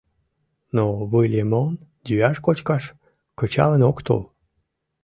Но Выльымон йӱаш-кочкаш кычалын ок тол.